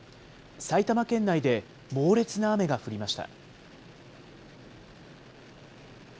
埼玉県内で猛烈な雨が降りました。